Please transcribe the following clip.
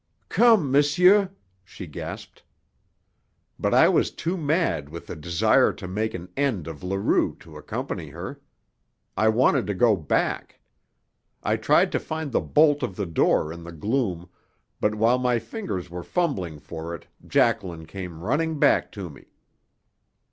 "Come, monsieur!" she gasped. But I was too mad with the desire to make an end of Leroux to accompany her. I wanted to go back. I tried to find the bolt of the door in the gloom, but while my fingers were fumbling for it Jacqueline came running back to me.